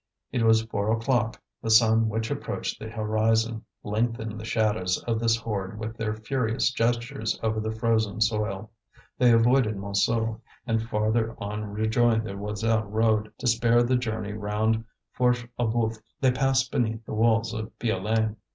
It was four o'clock; the sun which approached the horizon, lengthened the shadows of this horde with their furious gestures over the frozen soil. They avoided Montsou, and farther on rejoined the Joiselle road; to spare the journey round Fourche aux Boeufs, they passed beneath the walls of Piolaine.